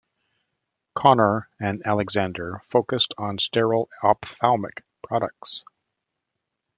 Conner and Alexander focused on sterile ophthalmic products.